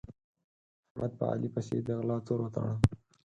احمد په علي پسې د غلا تور وتاړه.